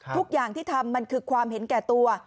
ทุกอย่างที่ทำมันคือความเห็นแก่ตัว